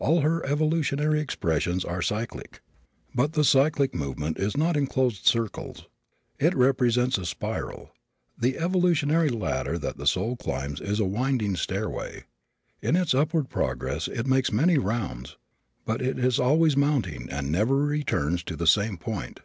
All her evolutionary expressions are cyclic. But the cyclic movement is not in closed circles. It represents a spiral. The "evolutionary ladder" that the soul climbs is a winding stairway. In its upward progress it makes many rounds but it is always mounting and never returns to the same point.